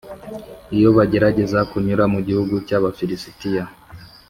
iyo bagerageza kunyura mu gihugu cy’abafirisitiya,